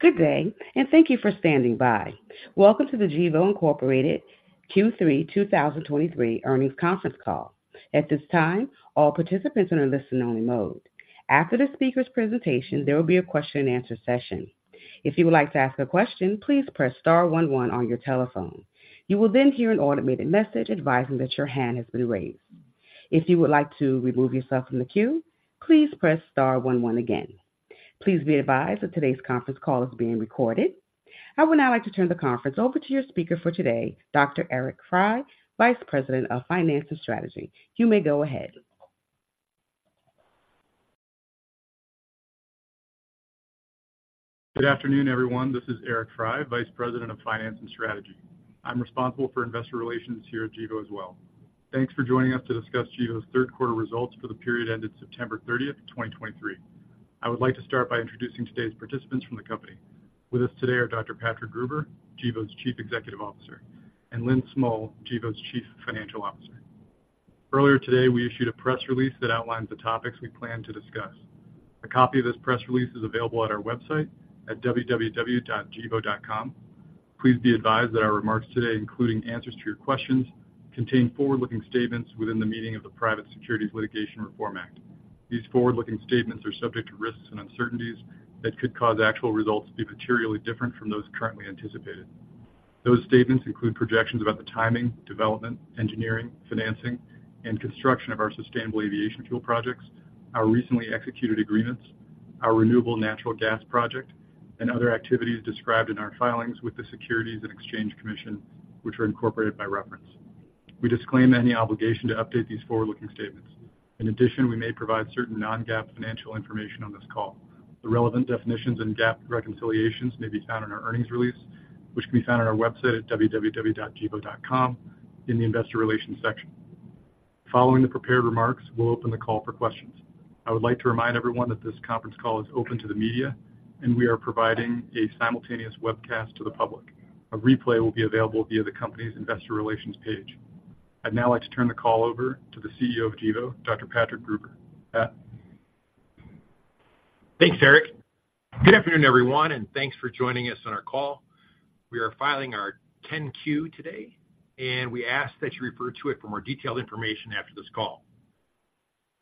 Good day, and thank you for standing by. Welcome to the Gevo Incorporated Q3 2023 Earnings Conference Call. At this time, all participants are in a listen-only mode. After the speaker's presentation, there will be a question-and-answer session. If you would like to ask a question, please press star one one on your telephone. You will then hear an automated message advising that your hand has been raised. If you would like to remove yourself from the queue, please press star one one again. Please be advised that today's conference call is being recorded. I would now like to turn the conference over to your speaker for today, Dr. Eric Frey, Vice President of Finance and Strategy. You may go ahead. Good afternoon, everyone. This is Eric Frey, Vice President of Finance and Strategy. I'm responsible for investor relations here at Gevo as well. Thanks for joining us to discuss Gevo's third quarter results for the period ended September 30, 2023. I would like to start by introducing today's participants from the company. With us today are Dr. Patrick Gruber, Gevo's Chief Executive Officer, and Lynn Smull, Gevo's Chief Financial Officer. Earlier today, we issued a press release that outlines the topics we plan to discuss. A copy of this press release is available at our website at www.gevo.com. Please be advised that our remarks today, including answers to your questions, contain forward-looking statements within the meaning of the Private Securities Litigation Reform Act. These forward-looking statements are subject to risks and uncertainties that could cause actual results to be materially different from those currently anticipated. Those statements include projections about the timing, development, engineering, financing, and construction of our sustainable aviation fuel projects, our recently executed agreements, our renewable natural gas project, and other activities described in our filings with the Securities and Exchange Commission, which are incorporated by reference. We disclaim any obligation to update these forward-looking statements. In addition, we may provide certain non-GAAP financial information on this call. The relevant definitions and GAAP reconciliations may be found in our earnings release, which can be found on our website at www.gevo.com in the Investor Relations section. Following the prepared remarks, we'll open the call for questions. I would like to remind everyone that this conference call is open to the media, and we are providing a simultaneous webcast to the public. A replay will be available via the company's investor relations page. I'd now like to turn the call over to the CEO of Gevo, Dr. Patrick Gruber. Pat? Thanks, Eric. Good afternoon, everyone, and thanks for joining us on our call. We are filing our Form 10-Q today, and we ask that you refer to it for more detailed information after this call.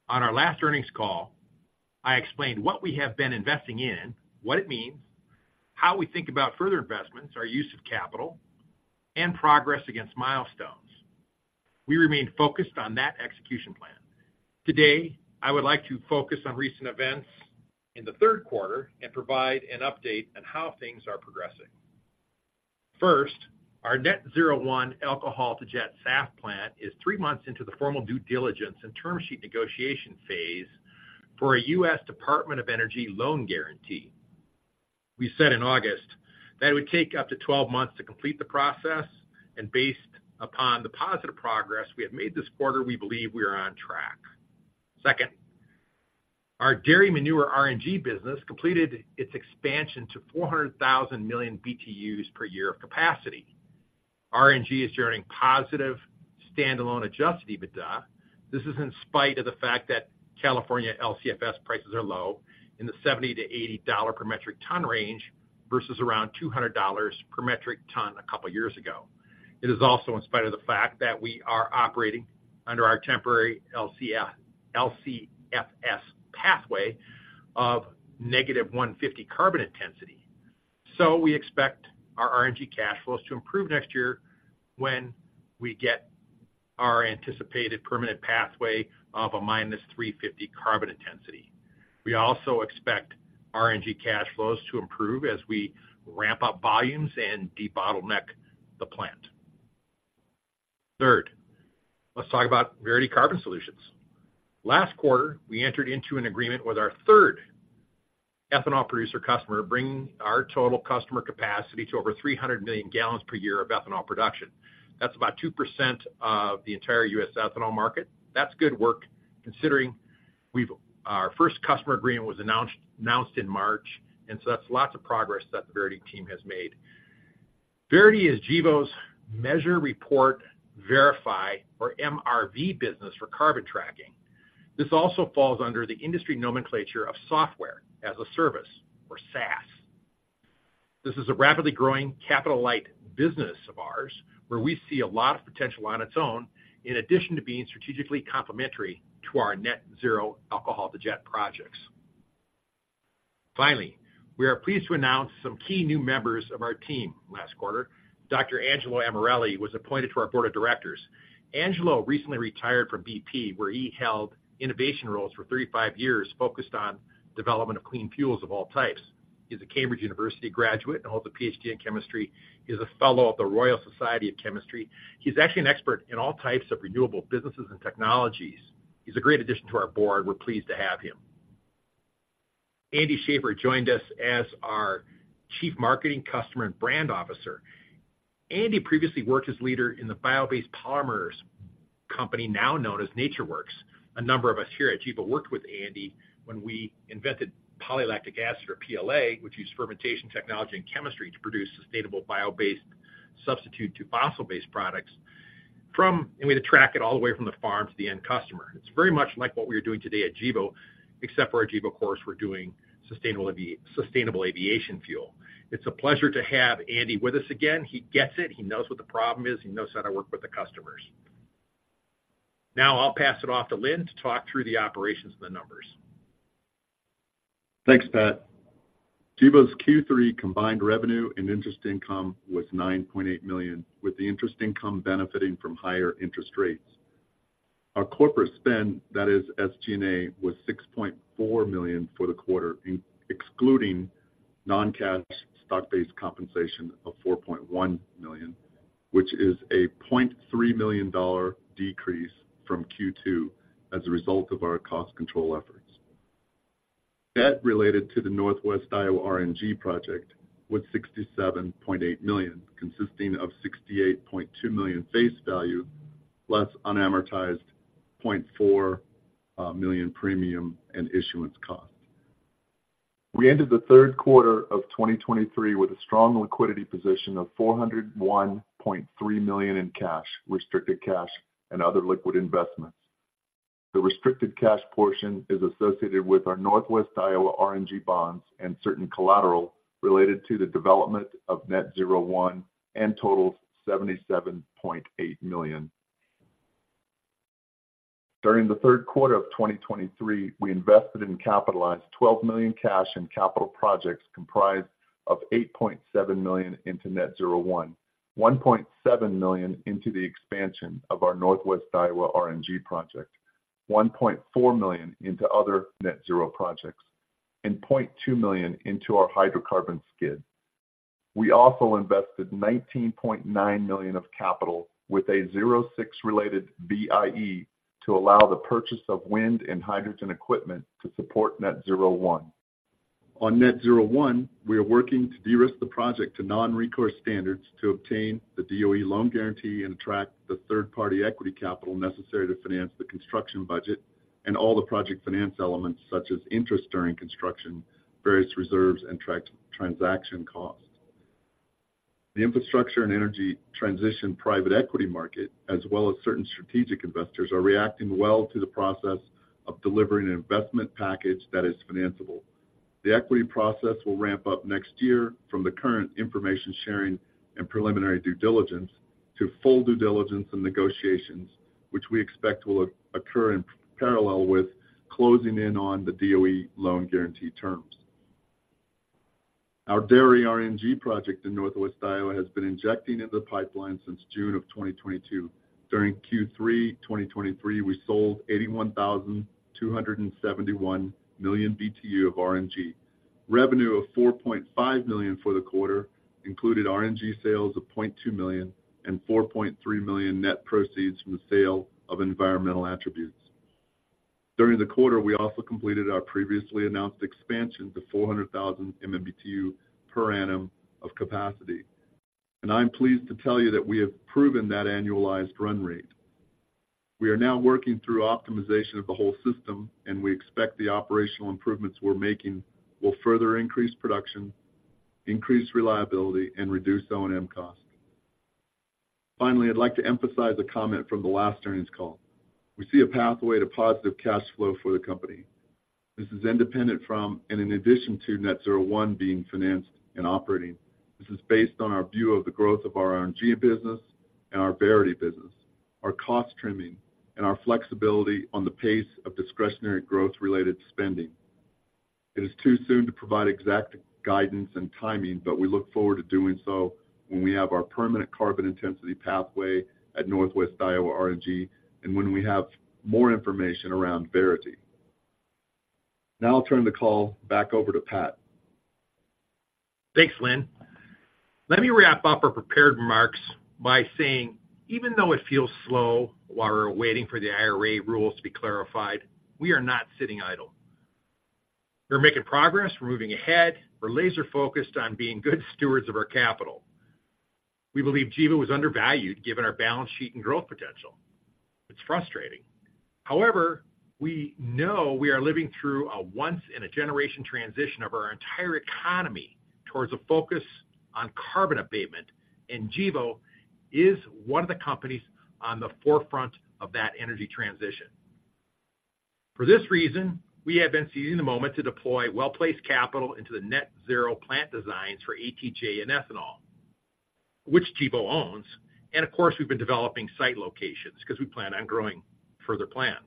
On our last earnings call, I explained what we have been investing in, what it means, how we think about further investments, our use of capital, and progress against milestones. We remain focused on that execution plan. Today, I would like to focus on recent events in the third quarter and provide an update on how things are progressing. First, our Net-Zero 1 Alcohol-to-Jet SAF plant is three months into the formal due diligence and term sheet negotiation phase for a U.S. Department of Energy loan guarantee. We said in August that it would take up to 12 months to complete the process, and based upon the positive progress we have made this quarter, we believe we are on track. Second, our dairy manure RNG business completed its expansion to 400,000 MMBtu per year of capacity. RNG is generating positive standalone adjusted EBITDA. This is in spite of the fact that California LCFS prices are low in the $70-$80 per metric ton range versus around $200 per metric ton a couple of years ago. It is also in spite of the fact that we are operating under our temporary LCFS pathway of -150 carbon intensity. So we expect our RNG cash flows to improve next year when we get our anticipated permanent pathway of a -350 carbon intensity. We also expect RNG cash flows to improve as we ramp up volumes and debottleneck the plant. Third, let's talk about Verity Carbon Solutions. Last quarter, we entered into an agreement with our third ethanol producer customer, bringing our total customer capacity to over 300 million gallons per year of ethanol production. That's about 2% of the entire U.S. ethanol market. That's good work considering we've—our first customer agreement was announced in March, and so that's lots of progress that the Verity team has made. Verity is Gevo's Measure, Report, Verify, or MRV business for carbon tracking. This also falls under the industry nomenclature of Software as a Service, or SaaS. This is a rapidly growing capital-light business of ours, where we see a lot of potential on its own, in addition to being strategically complementary to our Net-Zero Alcohol to Jet projects. Finally, we are pleased to announce some key new members of our team last quarter. Dr. Angelo Amorelli was appointed to our board of directors. Angelo recently retired from BP, where he held innovation roles for 35 years, focused on development of clean fuels of all types. He's a Cambridge University graduate and holds a PhD in chemistry. He's a fellow of the Royal Society of Chemistry. He's actually an expert in all types of renewable businesses and technologies. He's a great addition to our board. We're pleased to have him. Andy Shafer joined us as our Chief Marketing, Customer, and Brand Officer. Andy previously worked as leader in the bio-based polymers company, now known as NatureWorks. A number of us here at Gevo worked with Andy when we invented Polylactic Acid, or PLA, which used fermentation, technology, and chemistry to produce sustainable bio-based-... substitute to fossil-based products from, and we track it all the way from the farm to the end customer. It's very much like what we are doing today at Gevo, except for at Gevo, of course, we're doing Sustainable Aviation Fuel. It's a pleasure to have Andy with us again. He gets it. He knows what the problem is. He knows how to work with the customers. Now, I'll pass it off to Lynn to talk through the operations and the numbers. Thanks, Pat. Gevo's Q3 combined revenue and interest income was $9.8 million, with the interest income benefiting from higher interest rates. Our corporate spend, that is SG&A, was $6.4 million for the quarter, excluding non-cash stock-based compensation of $4.1 million, which is a $0.3 million decrease from Q2 as a result of our cost control efforts. Debt related to the Northwest Iowa RNG project was $67.8 million, consisting of $68.2 million face value, plus unamortized $0.4 million premium and issuance costs. We ended the third quarter of 2023 with a strong liquidity position of $401.3 million in cash, restricted cash, and other liquid investments. The restricted cash portion is associated with our Northwest Iowa RNG bonds and certain collateral related to the development of Net-Zero 1 and totals $77.8 million. During the third quarter of 2023, we invested and capitalized $12 million cash in capital projects comprised of $8.7 million into Net-Zero 1, $1.7 million into the expansion of our Northwest Iowa RNG project, $1.4 million into other Net-Zero projects, and $0.2 million into our hydrocarbon skid. We also invested $19.9 million of capital with a Zero6-related BIE to allow the purchase of wind and hydrogen equipment to support Net-Zero 1. On Net-Zero 1, we are working to de-risk the project to non-recourse standards to obtain the DOE loan guarantee and attract the third-party equity capital necessary to finance the construction budget and all the project finance elements, such as interest during construction, various reserves, and transaction costs. The infrastructure and energy transition private equity market, as well as certain strategic investors, are reacting well to the process of delivering an investment package that is financiable. The equity process will ramp up next year from the current information sharing and preliminary due diligence to full due diligence and negotiations, which we expect will occur in parallel with closing in on the DOE loan guarantee terms. Our dairy RNG project in Northwest Iowa has been injecting into the pipeline since June of 2022. During Q3 2023, we sold 81,271 million BTU of RNG. Revenue of $4.5 million for the quarter included RNG sales of $0.2 million and $4.3 million net proceeds from the sale of environmental attributes. During the quarter, we also completed our previously announced expansion to 400,000 MMBtu per annum of capacity. I'm pleased to tell you that we have proven that annualized run rate. We are now working through optimization of the whole system, and we expect the operational improvements we're making will further increase production, increase reliability, and reduce O&M costs. Finally, I'd like to emphasize a comment from the last earnings call. We see a pathway to positive cash flow for the company. This is independent from and in addition to Net-Zero 1 being financed and operating. This is based on our view of the growth of our RNG business and our Verity business, our cost trimming, and our flexibility on the pace of discretionary growth-related spending. It is too soon to provide exact guidance and timing, but we look forward to doing so when we have our permanent carbon intensity pathway at Northwest Iowa RNG and when we have more information around Verity. Now I'll turn the call back over to Pat. Thanks, Lynn. Let me wrap up our prepared remarks by saying, even though it feels slow while we're waiting for the IRA rules to be clarified, we are not sitting idle. We're making progress. We're moving ahead. We're laser-focused on being good stewards of our capital. We believe Gevo is undervalued, given our balance sheet and growth potential. It's frustrating. However, we know we are living through a once-in-a-generation transition of our entire economy towards a focus on carbon abatement, and Gevo is one of the companies on the forefront of that energy transition. For this reason, we have been seizing the moment to deploy well-placed capital into the Net-Zero plant designs for ATJ and ETO, which Gevo owns, and of course, we've been developing site locations because we plan on growing further plants.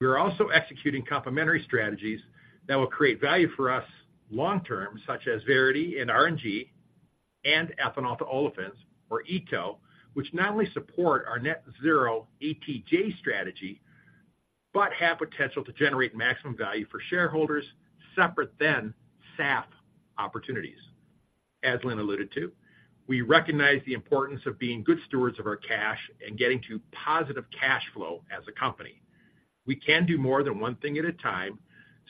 We are also executing complementary strategies that will create value for us long-term, such as Verity and RNG and Ethanol-to-Olefins or ETO, which not only support our Net-Zero ATJ strategy, but have potential to generate maximum value for shareholders separate than SAF opportunities. As Lynn alluded to, we recognize the importance of being good stewards of our cash and getting to positive cash flow as a company. We can do more than one thing at a time,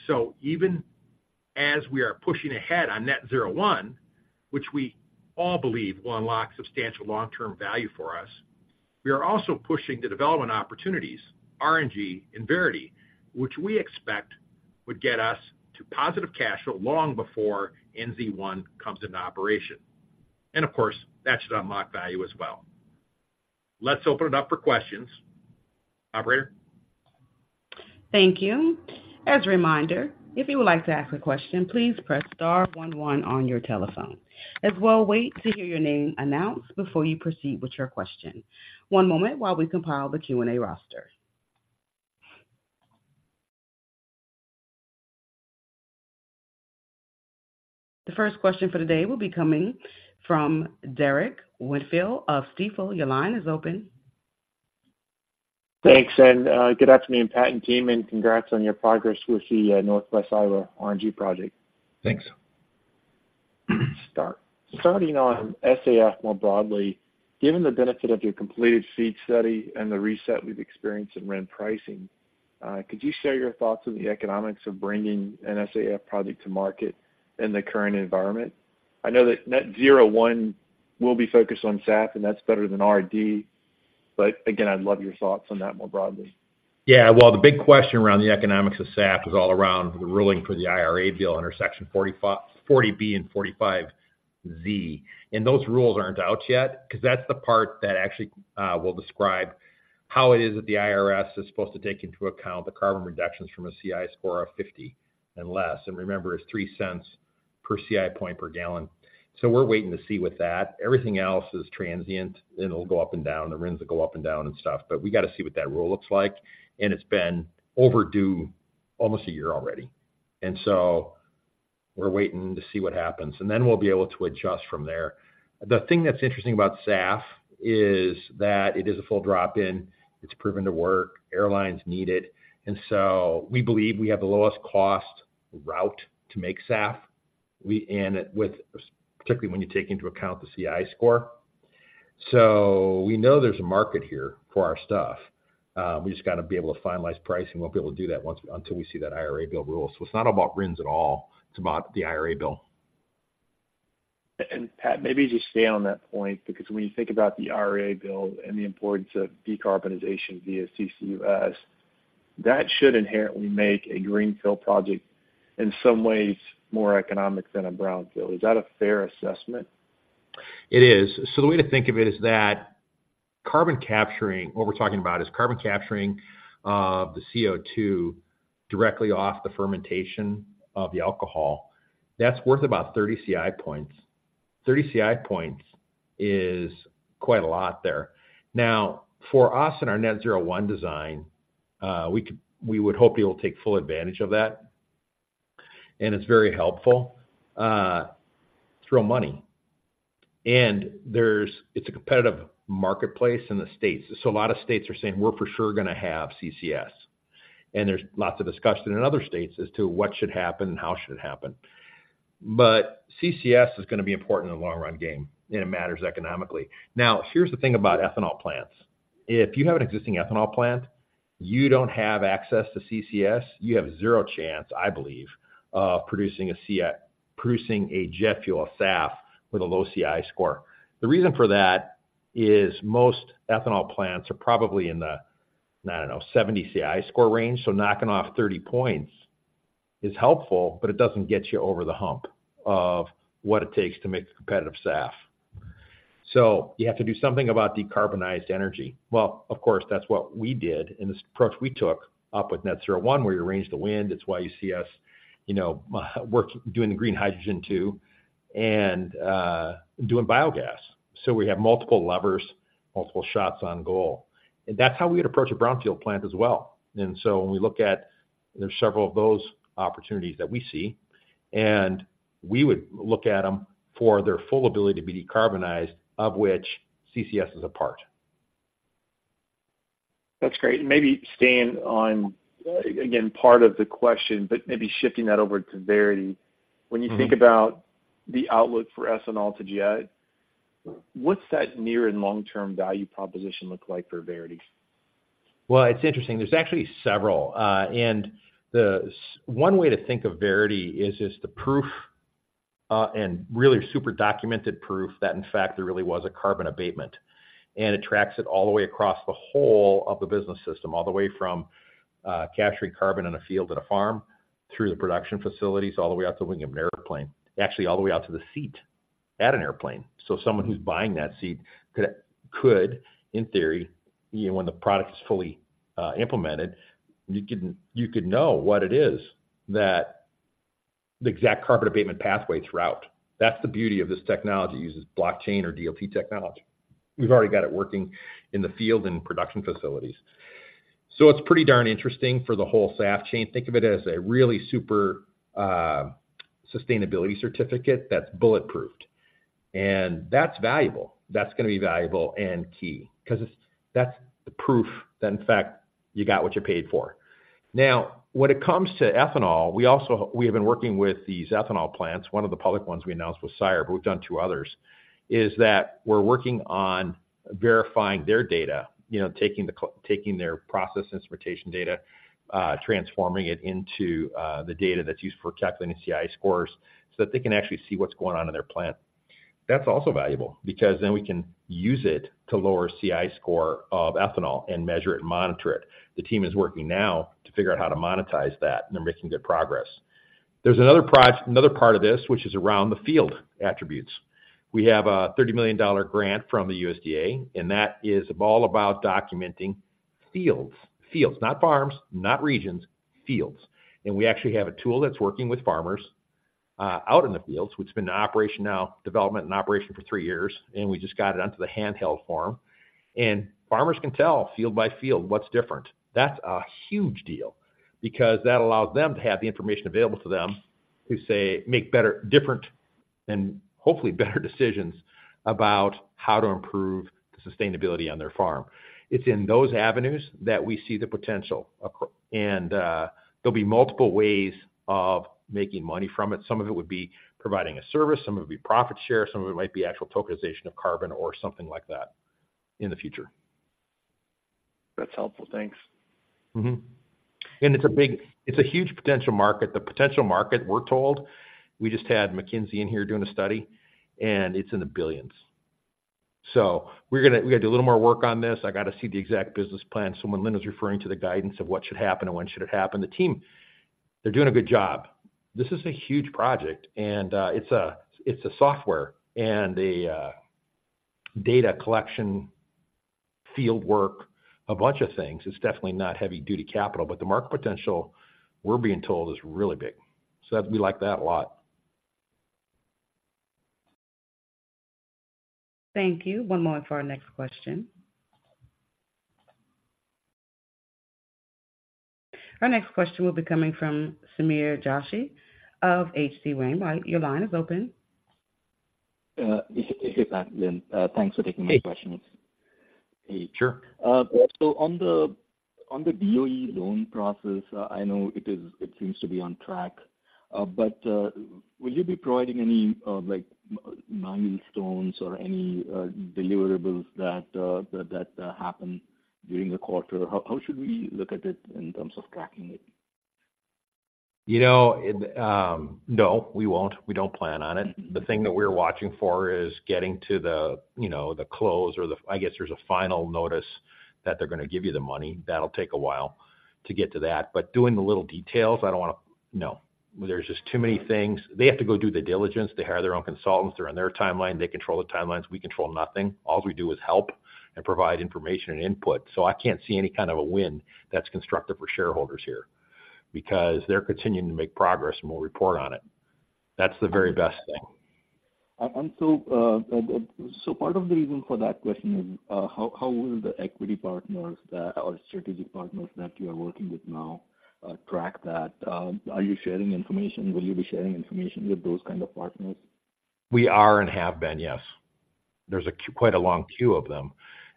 so even as we are pushing ahead on Net-Zero 1, which we all believe will unlock substantial long-term value for us... We are also pushing the development opportunities, RNG and Verity, which we expect would get us to positive cash flow long before NZ1 comes into operation. And of course, that should unlock value as well. Let's open it up for questions. Operator? Thank you. As a reminder, if you would like to ask a question, please press star one one on your telephone. As well, wait to hear your name announced before you proceed with your question. One moment while we compile the Q&A roster. The first question for the day will be coming from Derrick Whitfield of Stifel. Your line is open. Thanks, and good afternoon, Pat and team, and congrats on your progress with the Northwest Iowa RNG project. Thanks. Starting on SAF more broadly, given the benefit of your completed seed study and the reset we've experienced in RNG pricing, could you share your thoughts on the economics of bringing an SAF project to market in the current environment? I know that Net-Zero 1 will be focused on SAF, and that's better than RD, but again, I'd love your thoughts on that more broadly. Yeah. Well, the big question around the economics of SAF is all around the ruling for the IRA bill under Section 40B and 45Z. And those rules aren't out yet, 'cause that's the part that actually will describe how it is that the IRS is supposed to take into account the carbon reductions from a CI score of 50 and less. And remember, it's $0.03 per CI point per gallon. So we're waiting to see with that. Everything else is transient, and it'll go up and down. The RINs will go up and down and stuff, but we got to see what that rule looks like, and it's been overdue almost a year already. And so we're waiting to see what happens, and then we'll be able to adjust from there. The thing that's interesting about SAF is that it is a full drop-in. It's proven to work. Airlines need it. And so we believe we have the lowest cost route to make SAF. We and it with, particularly when you take into account the CI score. So we know there's a market here for our stuff, we just got to be able to finalize pricing. We won't be able to do that until we see that IRA bill rule. So it's not about RINs at all, it's about the IRA bill. Pat, maybe just stay on that point, because when you think about the IRA bill and the importance of decarbonization via CCUS, that should inherently make a greenfield project, in some ways, more economic than a brownfield. Is that a fair assessment? It is. So the way to think of it is that carbon capturing... What we're talking about is carbon capturing, the CO2 directly off the fermentation of the alcohol. That's worth about 30 CI points. 30 CI points is quite a lot there. Now, for us in our Net-Zero 1 design, we could, we would hope you'll take full advantage of that, and it's very helpful, it's real money. And there's, it's a competitive marketplace in the States. So a lot of states are saying, "We're for sure gonna have CCS." And there's lots of discussion in other states as to what should happen and how it should happen. But CCS is gonna be important in the long run game, and it matters economically. Now, here's the thing about ethanol plants: if you have an existing ethanol plant, you don't have access to CCS, you have zero chance, I believe, of producing a jet fuel, SAF, with a low CI score. The reason for that is most ethanol plants are probably in the, I don't know, 70 CI score range, so knocking off 30 points is helpful, but it doesn't get you over the hump of what it takes to make the competitive SAF. So you have to do something about decarbonized energy. Well, of course, that's what we did in this approach we took up with Net-Zero 1, where you arrange the wind. It's why you see us, you know, doing the green hydrogen, too, and doing biogas. So we have multiple levers, multiple shots on goal, and that's how we'd approach a brownfield plant as well. And so when we look at, there's several of those opportunities that we see, and we would look at them for their full ability to be decarbonized, of which CCS is a part. That's great. Maybe staying on, again, part of the question, but maybe shifting that over to Verity. Mm-hmm. When you think about the outlook for ethanol to jet, what's that near and long-term value proposition look like for Verity? Well, it's interesting. There's actually several. One way to think of Verity is, is the proof, and really super documented proof, that, in fact, there really was a carbon abatement, and it tracks it all the way across the whole of the business system. All the way from capturing carbon in a field at a farm, through the production facilities, all the way out to the wing of an airplane. Actually, all the way out to the seat at an airplane. So someone who's buying that seat could, could, in theory, you know, when the product is fully implemented, you could, you could know what it is that the exact carbon abatement pathway throughout. That's the beauty of this technology, it uses blockchain or DLT technology. We've already got it working in the field and production facilities. So it's pretty darn interesting for the whole SAF chain. Think of it as a really super sustainability certificate that's bulletproofed, and that's valuable. That's gonna be valuable and key 'cause it's, that's the proof that, in fact, you got what you paid for. Now, when it comes to ethanol, we also, we have been working with these ethanol plants. One of the public ones we announced was SIRE, but we've done two others, is that we're working on verifying their data. You know, taking their process instrumentation data, transforming it into the data that's used for calculating the CI scores, so that they can actually see what's going on in their plant.... That's also valuable because then we can use it to lower CI score of ethanol and measure it and monitor it. The team is working now to figure out how to monetize that, and they're making good progress. There's another part of this, which is around the field attributes. We have a $30 million grant from the USDA, and that is all about documenting fields. Fields, not farms, not regions, fields. And we actually have a tool that's working with farmers out in the fields, which has been in operation now, development and operation for three years, and we just got it onto the handheld form. And farmers can tell field by field what's different. That's a huge deal because that allows them to have the information available to them to say, make better, different, and hopefully better decisions about how to improve the sustainability on their farm. It's in those avenues that we see the potential. There'll be multiple ways of making money from it. Some of it would be providing a service, some of it would be profit share, some of it might be actual tokenization of carbon or something like that in the future. That's helpful. Thanks. Mm-hmm. And it's a huge potential market. The potential market, we're told... We just had McKinsey in here doing a study, and it's in the $ billions. So we're gonna do a little more work on this. I got to see the exact business plan. So when Lynn was referring to the guidance of what should happen and when should it happen, the team, they're doing a good job. This is a huge project, and it's a software and a data collection, field work, a bunch of things. It's definitely not heavy-duty capital, but the market potential, we're being told, is really big. So that we like that a lot. Thank you. One more for our next question. Our next question will be coming from Sameer Joshi of HC Wainwright. Your line is open. Hey, Pat, Lynn. Thanks for taking my questions. Hey, sure. So on the DOE loan process, I know it is. It seems to be on track. But will you be providing any, like, milestones or any deliverables that happen during the quarter? How should we look at it in terms of tracking it? You know, no, we won't. We don't plan on it. The thing that we're watching for is getting to the, you know, the close or the—I guess there's a final notice that they're gonna give you the money. That'll take a while to get to that. But doing the little details, I don't want to... No. There's just too many things. They have to go do the diligence. They hire their own consultants. They're on their timeline. They control the timelines. We control nothing. All we do is help and provide information and input. So I can't see any kind of a win that's constructive for shareholders here, because they're continuing to make progress, and we'll report on it. That's the very best thing. So part of the reason for that question is, how will the equity partners or strategic partners that you are working with now track that? Are you sharing information? Will you be sharing information with those kind of partners? We are and have been, yes. There's quite a long queue of them,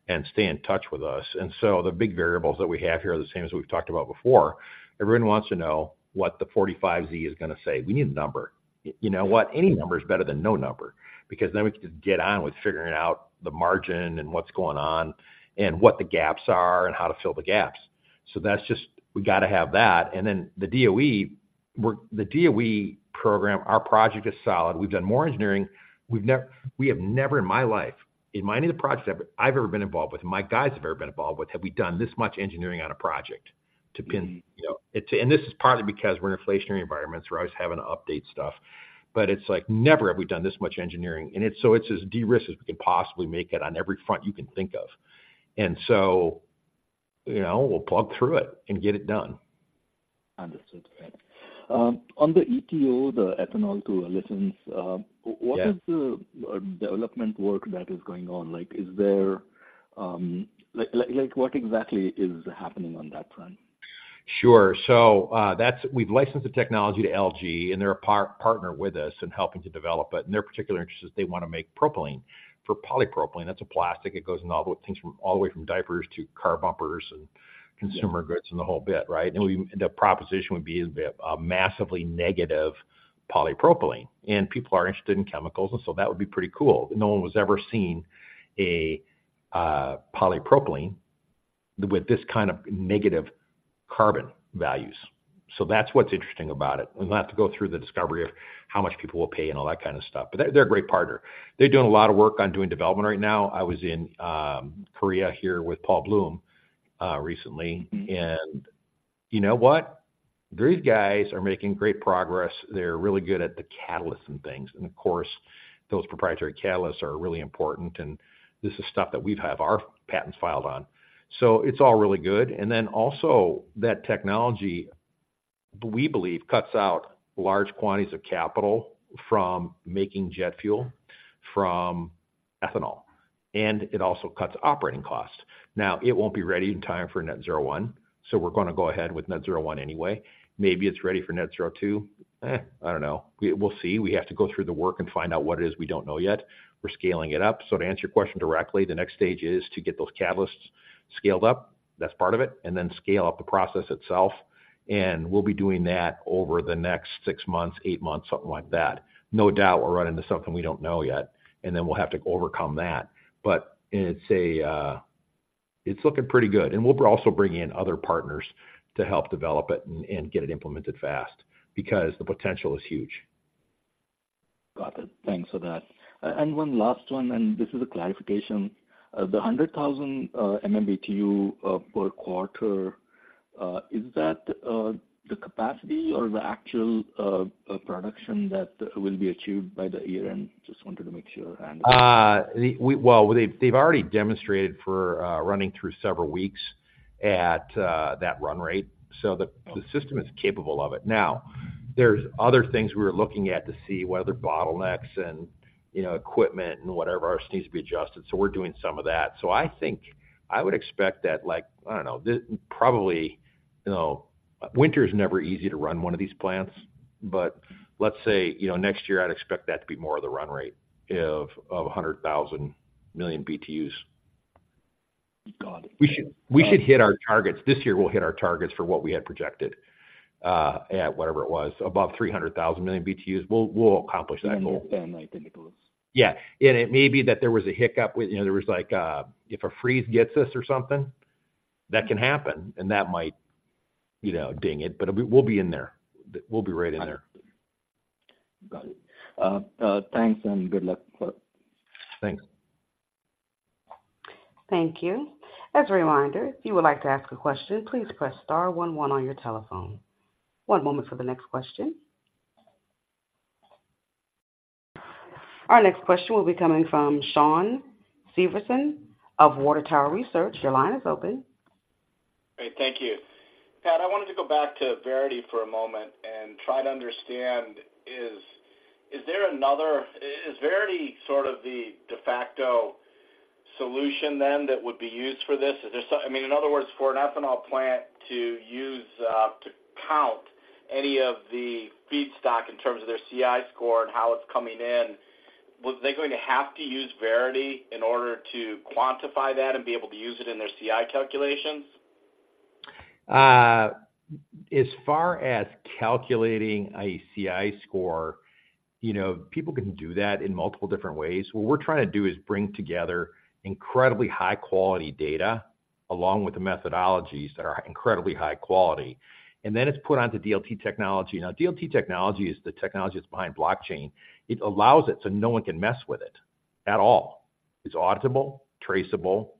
and stay in touch with us. So the big variables that we have here are the same as we've talked about before. Everyone wants to know what the 45Z is gonna say. We need a number. You know what? Any number is better than no number, because then we can just get on with figuring out the margin and what's going on and what the gaps are and how to fill the gaps. So that's just, we got to have that. And then the DOE, we're the DOE program, our project is solid. We've done more engineering. We have never in my life, in any of the projects I've ever been involved with, my guys have ever been involved with, have we done this much engineering on a project to pin, you know? Mm-hmm. This is partly because we're in inflationary environments. We're always having to update stuff, but it's like, never have we done this much engineering. And it's, so it's as de-risked as we can possibly make it on every front you can think of. So, you know, we'll plug through it and get it done. Understood. Great. On the ETO, the Ethanol-to-Olefins, Yeah. What is the development work that is going on? Like, is there... Like, what exactly is happening on that front? Sure. So, we've licensed the technology to LG, and they're a partner with us in helping to develop it. And their particular interest is they want to make propylene for polypropylene. That's a plastic. It goes in all the things, from all the way from diapers to car bumpers and consumer- Yeah... goods and the whole bit, right? And the proposition would be a massively negative polypropylene, and people are interested in chemicals, and so that would be pretty cool. No one has ever seen a polypropylene with this kind of negative carbon values. So that's what's interesting about it. We're gonna have to go through the discovery of how much people will pay and all that kind of stuff. But they're a great partner. They're doing a lot of work on doing development right now. I was in Korea here with Paul Bloom recently. Mm-hmm. And you know what? These guys are making great progress. They're really good at the catalysts and things. And of course, those proprietary catalysts are really important, and this is stuff that we have our patents filed on. So it's all really good. And then also, that technology, we believe, cuts out large quantities of capital from making jet fuel from ethanol, and it also cuts operating costs. Now, it won't be ready in time for Net-Zero 1, so we're gonna go ahead with Net-Zero 1 anyway. Maybe it's ready for Net-Zero 2. Eh, I don't know. We'll see. We have to go through the work and find out what it is we don't know yet. We're scaling it up. So to answer your question directly, the next stage is to get those catalysts scaled up. That's part of it, and then scale up the process itself, and we'll be doing that over the next 6 months, 8 months, something like that. No doubt, we'll run into something we don't know yet, and then we'll have to overcome that. But it's looking pretty good, and we'll also bring in other partners to help develop it and get it implemented fast, because the potential is huge. Got it. Thanks for that. And one last one, and this is a clarification. The 100,000 MMBtu per quarter, is that the capacity or the actual production that will be achieved by the year-end? Just wanted to make sure, and- Well, they've already demonstrated for running through several weeks at that run rate. So the system is capable of it. Now, there's other things we're looking at to see whether bottlenecks and, you know, equipment, and whatever else needs to be adjusted. So we're doing some of that. So I think I would expect that like, I don't know, probably, you know, winter is never easy to run one of these plants, but let's say, you know, next year, I'd expect that to be more of the run rate of 100,000 MMBtu. Got it. We should, we should hit our targets. This year, we'll hit our targets for what we had projected, at whatever it was, above 300,000 MMBtu. We'll, we'll accomplish that goal. I think it was. Yeah. It may be that there was a hiccup with, you know, there was like a, if a freeze gets us or something, that can happen, and that might, you know, ding it, but we, we'll be in there. We'll be right in there. Got it. Thanks, and good luck. Thanks. Thank you. As a reminder, if you would like to ask a question, please press star one one on your telephone. One moment for the next question. Our next question will be coming from Shawn Severson of Water Tower Research. Your line is open. Great. Thank you. Pat, I wanted to go back to Verity for a moment and try to understand, is there another— is Verity sort of the de facto solution then that would be used for this? Is there some— I mean, in other words, for an ethanol plant to use, to count any of the feedstock in terms of their CI score and how it's coming in, was— they going to have to use Verity in order to quantify that and be able to use it in their CI calculations? As far as calculating a CI score, you know, people can do that in multiple different ways. What we're trying to do is bring together incredibly high-quality data, along with the methodologies that are incredibly high quality, and then it's put onto DLT technology. Now, DLT technology is the technology that's behind blockchain. It allows it, so no one can mess with it at all. It's auditable, traceable,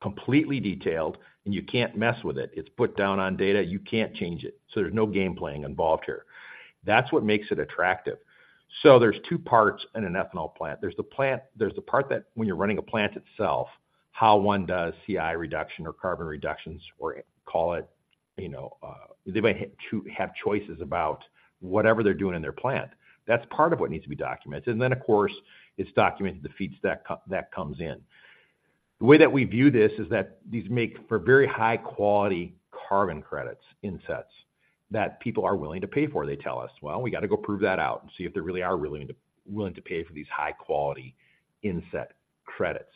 completely detailed, and you can't mess with it. It's put down on data, you can't change it, so there's no game-playing involved here. That's what makes it attractive. So there's two parts in an ethanol plant. There's the plant, there's the part that when you're running a plant itself, how one does CI reduction or carbon reductions, or call it, you know, they might have to have choices about whatever they're doing in their plant. That's part of what needs to be documented. Then, of course, it's documenting the feeds that comes in. The way that we view this is that these make for very high-quality carbon credits, Inset credits, that people are willing to pay for, they tell us. Well, we got to go prove that out and see if they really are willing to, willing to pay for these high-quality Inset credits.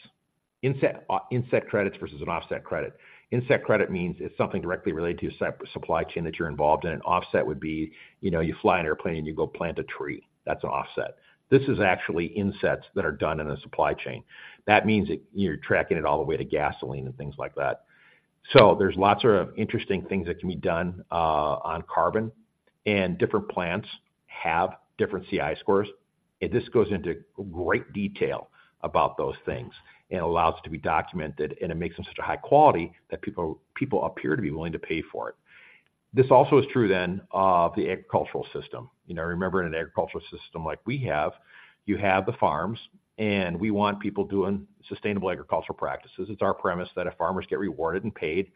Inset, Inset credits versus an Offset credit. Inset credit means it's something directly related to a supply chain that you're involved in. An offset would be, you know, you fly an airplane, and you go plant a tree. That's an offset. This is actually Insets that are done in a supply chain. That means that you're tracking it all the way to gasoline and things like that. So there's lots of interesting things that can be done on carbon, and different plants have different CI scores. This goes into great detail about those things and allows it to be documented, and it makes them such a high quality that people, people appear to be willing to pay for it. This also is true then, of the agricultural system. You know, remember, in an agricultural system like we have, you have the farms, and we want people doing sustainable agricultural practices. It's our premise that if farmers get rewarded and paid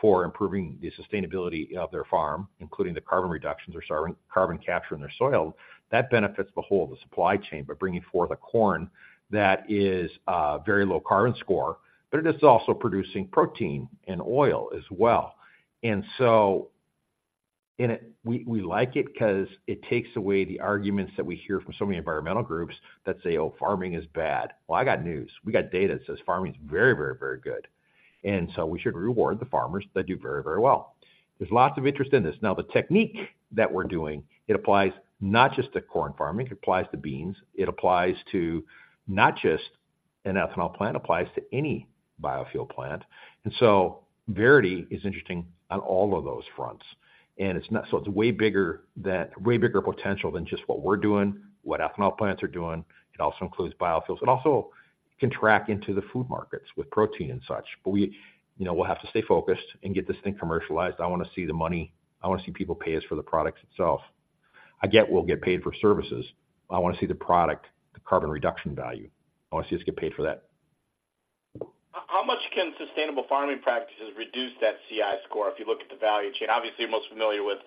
for improving the sustainability of their farm, including the carbon reductions or carbon capture in their soil, that benefits the whole of the supply chain by bringing forth a corn that is very low carbon score, but it is also producing protein and oil as well. We like it because it takes away the arguments that we hear from so many environmental groups that say, "Oh, farming is bad." Well, I got news. We got data that says farming is very, very, very good, and so we should reward the farmers that do very, very well. There's lots of interest in this. Now, the technique that we're doing, it applies not just to corn farming, it applies to beans, it applies to not just an ethanol plant, applies to any biofuel plant. And so Verity is interesting on all of those fronts. So it's way bigger potential than just what we're doing, what ethanol plants are doing. It also includes biofuels. It also can track into the food markets with protein and such, but we, you know, we'll have to stay focused and get this thing commercialized. I want to see the money. I want to see people pay us for the products itself. I get we'll get paid for services, but I want to see the product, the carbon reduction value. I want to see us get paid for that. How much can sustainable farming practices reduce that CI score if you look at the value chain? Obviously, you're most familiar with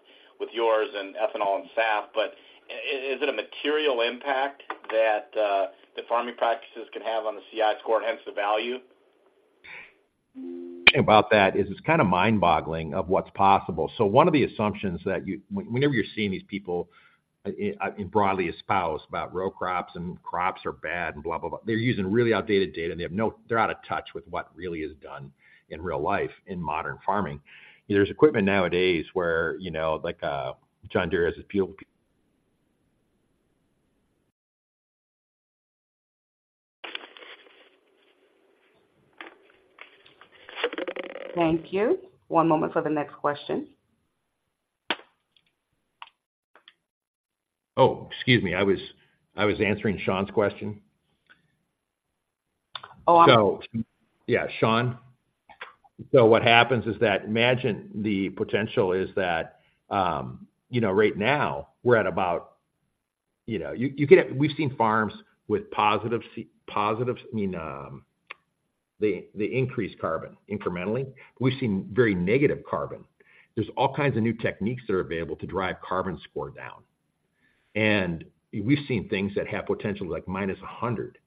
yours and ethanol and SAF, but is it a material impact that the farming practices can have on the CI score and hence the value? About that, it's kind of mind-boggling of what's possible. So one of the assumptions that whenever you're seeing these people broadly espouse about row crops and crops are bad and blah, blah, blah, they're using really outdated data, and they're out of touch with what really is done in real life in modern farming. There's equipment nowadays where, you know, like, John Deere has a fuel- Thank you. One moment for the next question. Oh, excuse me, I was answering Shawn's question. Oh, I'm- So, yeah, Shawn. So what happens is that, imagine the potential is that, you know, right now we're at about... You know, you can have—we've seen farms with positive positives, I mean, they increase carbon incrementally. We've seen very negative carbon. There's all kinds of new techniques that are available to drive carbon score down. And we've seen things that have potential, like minus 100.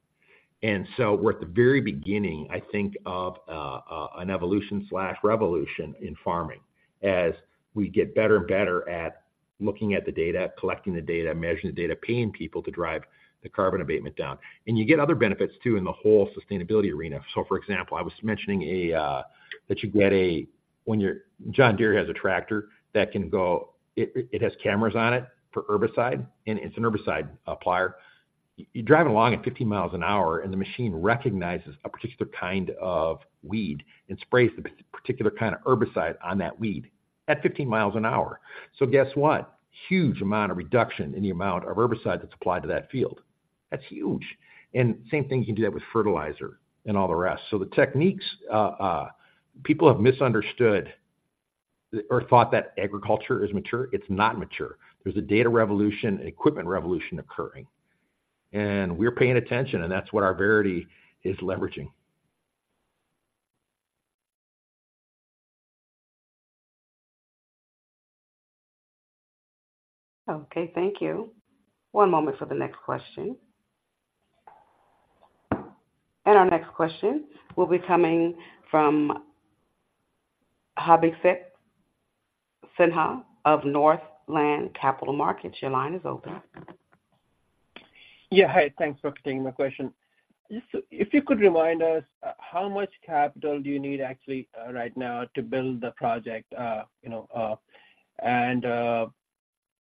And so we're at the very beginning, I think, of an evolution/revolution in farming as we get better and better at looking at the data, collecting the data, measuring the data, paying people to drive the carbon abatement down. And you get other benefits, too, in the whole sustainability arena. So for example, I was mentioning that you get a—when you're—John Deere has a tractor that can go... It has cameras on it for herbicide, and it's an herbicide applier. You're driving along at 15 miles an hour, and the machine recognizes a particular kind of weed and sprays the particular kind of herbicide on that weed at 15 miles an hour. So guess what? Huge amount of reduction in the amount of herbicide that's applied to that field. That's huge. And same thing, you can do that with fertilizer and all the rest. So the techniques, people have misunderstood or thought that agriculture is mature. It's not mature. There's a data revolution, equipment revolution occurring, and we're paying attention, and that's what our Verity is leveraging. Okay, thank you. One moment for the next question. Our next question will be coming from Abhishek Sinha of Northland Capital Markets. Your line is open. Yeah, hi. Thanks for taking my question. Just if you could remind us, how much capital do you need actually, right now to build the project, you know, and,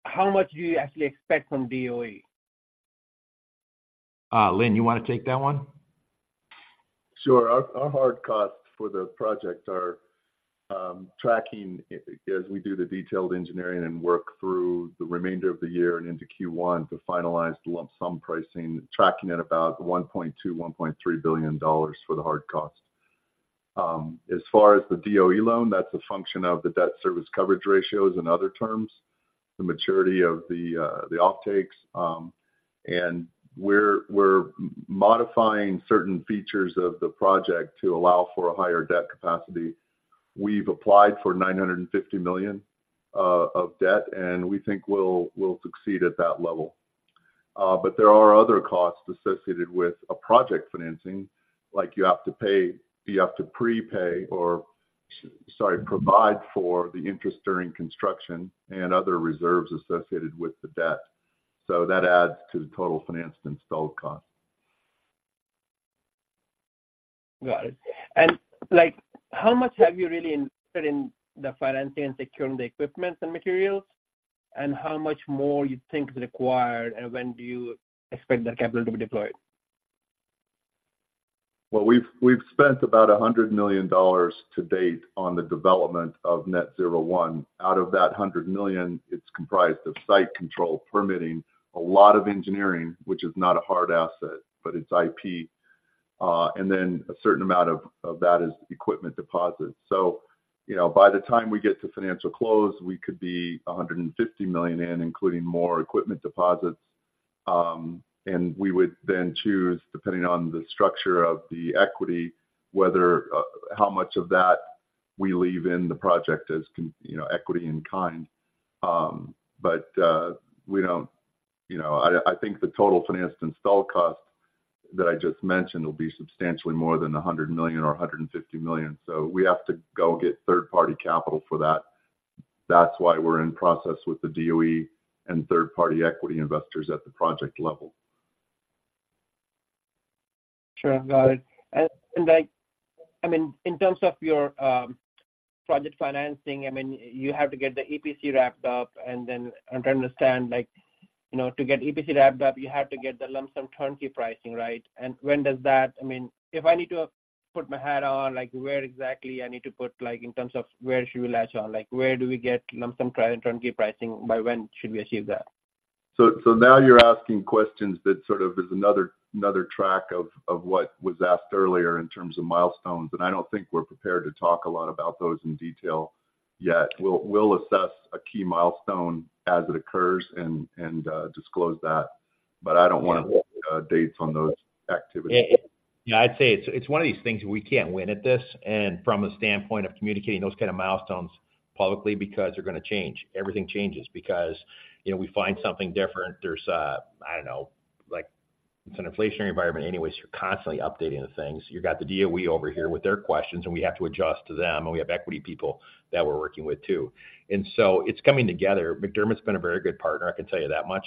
how much do you actually expect from DOE? Lynn, you want to take that one? Sure. Our hard costs for the project are tracking as we do the detailed engineering and work through the remainder of the year and into Q1 to finalize the lump sum pricing, tracking at about $1.2-$1.3 billion for the hard costs. As far as the DOE loan, that's a function of the debt service coverage ratios and other terms, the maturity of the offtakes. And we're modifying certain features of the project to allow for a higher debt capacity. We've applied for $950 million of debt, and we think we'll succeed at that level. But there are other costs associated with a project financing, like you have to pay - you have to prepay or, sorry, provide for the interest during construction and other reserves associated with the debt. That adds to the total financed installed cost. Got it. And like, how much have you really invested in the financing and securing the equipment and materials? And how much more you think is required, and when do you expect that capital to be deployed? Well, we've spent about $100 million to date on the development of Net-Zero One. Out of that $100 million, it's comprised of site control, permitting, a lot of engineering, which is not a hard asset, but it's IP, and then a certain amount of that is equipment deposits. So, you know, by the time we get to financial close, we could be $150 million in, including more equipment deposits, and we would then choose, depending on the structure of the equity, whether how much of that we leave in the project as you know, equity in kind. But, we don't... You know, I think the total financed installed cost that I just mentioned will be substantially more than $100 million or $150 million. So we have to go get third-party capital for that. That's why we're in process with the DOE and third-party equity investors at the project level. Sure, got it. And, and like, I mean, in terms of your project financing, I mean, you have to get the EPC wrapped up, and then I don't understand, like, you know, to get EPC wrapped up, you have to get the Lump Sum Turnkey pricing, right? And when does that—I mean, if I need to put my hat on, like, where exactly I need to put, like, in terms of where should we latch on? Like, where do we get Lump Sum Turnkey pricing, by when should we achieve that? So now you're asking questions that sort of is another track of what was asked earlier in terms of milestones, and I don't think we're prepared to talk a lot about those in detail yet. We'll assess a key milestone as it occurs and disclose that, but I don't want to give dates on those activities. Yeah, I'd say it's one of these things we can't win at this, and from a standpoint of communicating those kind of milestones publicly, because they're gonna change. Everything changes because, you know, we find something different. There's a, I don't know, like, it's an inflationary environment anyways, you're constantly updating the things. You got the DOE over here with their questions, and we have to adjust to them, and we have equity people that we're working with too. And so it's coming together. McDermott's been a very good partner, I can tell you that much.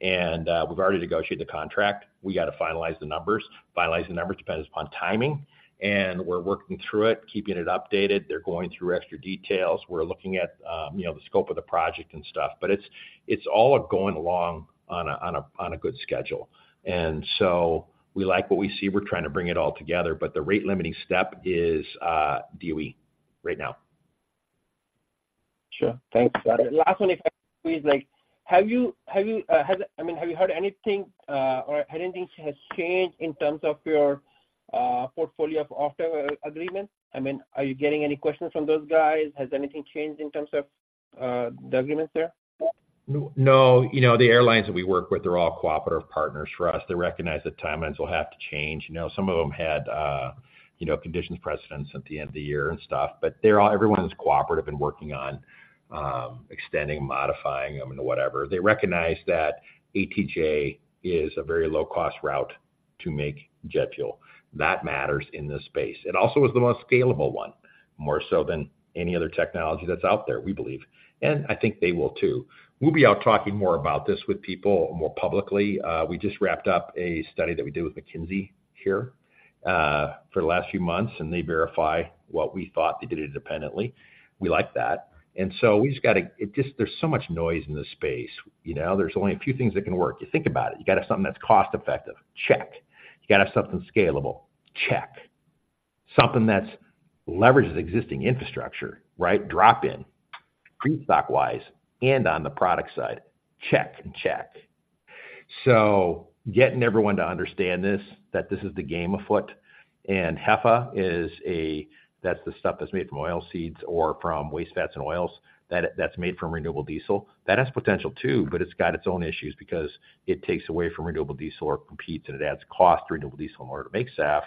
And we've already negotiated the contract. We got to finalize the numbers. Finalize the numbers depends upon timing, and we're working through it, keeping it updated. They're going through extra details. We're looking at, you know, the scope of the project and stuff, but it's all going along on a good schedule. And so we like what we see. We're trying to bring it all together, but the rate-limiting step is DOE right now.... Sure. Thanks, Scott. Last one, if I please, like, I mean, have you heard anything or had anything has changed in terms of your portfolio of offtake agreements? I mean, are you getting any questions from those guys? Has anything changed in terms of the agreements there? No, no. You know, the airlines that we work with are all cooperative partners for us. They recognize that timelines will have to change. You know, some of them had, you know, conditions precedents at the end of the year and stuff, but they're all. Everyone is cooperative and working on, extending, modifying them and whatever. They recognize that ATJ is a very low-cost route to make jet fuel. That matters in this space. It also is the most scalable one, more so than any other technology that's out there, we believe. And I think they will, too. We'll be out talking more about this with people more publicly. We just wrapped up a study that we did with McKinsey here, for the last few months, and they verify what we thought. They did it independently. We like that. And so we just got to it just, there's so much noise in this space, you know? There's only a few things that can work. You think about it. You got to have something that's cost-effective. Check. You got to have something scalable. Check. Something that's leverages existing infrastructure, right? Drop in, feedstock-wise, and on the product side. Check and check. So getting everyone to understand this, that this is the game afoot, and HEFA is a—that's the stuff that's made from oil seeds or from waste fats and oils, that, that's made from renewable diesel. That has potential, too, but it's got its own issues because it takes away from renewable diesel or competes, and it adds cost to renewable diesel in order to make SAF,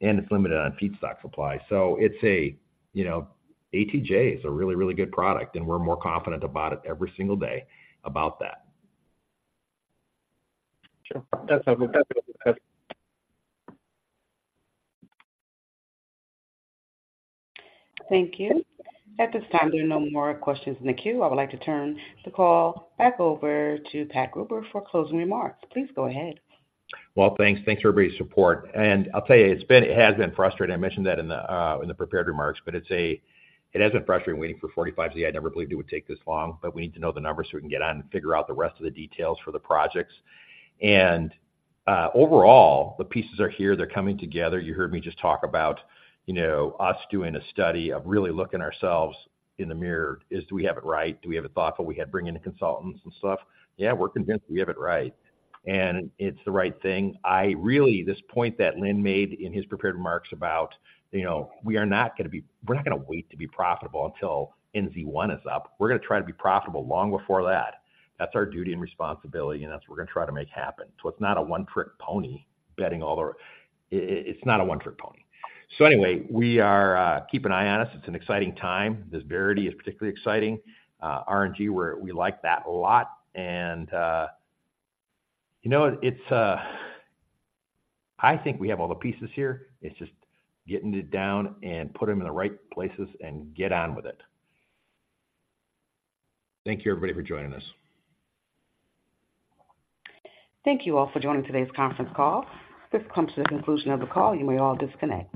and it's limited on feedstock supply. So it's a, you know. ATJ is a really, really good product, and we're more confident about it every single day about that. Sure. That's helpful. That's- Thank you. At this time, there are no more questions in the queue. I would like to turn the call back over to Pat Gruber for closing remarks. Please go ahead. Well, thanks. Thanks for everybody's support. And I'll tell you, it has been frustrating. I mentioned that in the prepared remarks, but it has been frustrating waiting for 45Z. I never believed it would take this long, but we need to know the numbers so we can get on and figure out the rest of the details for the projects. And overall, the pieces are here. They're coming together. You heard me just talk about, you know, us doing a study of really looking ourselves in the mirror: Do we have it right? Do we have it thoughtful? We had to bring in the consultants and stuff. Yeah, we're convinced we have it right, and it's the right thing. This point that Lynn made in his prepared remarks about, you know, we are not going to wait to be profitable until NZ1 is up. We're going to try to be profitable long before that. That's our duty and responsibility, and that's what we're going to try to make happen. So it's not a one-trick pony. So anyway, keep an eye on us. It's an exciting time. This Verity is particularly exciting. RNG, we like that a lot, and you know what? I think we have all the pieces here. It's just getting it down and put them in the right places and get on with it. Thank you, everybody, for joining us. Thank you all for joining today's conference call. This comes to the conclusion of the call. You may all disconnect.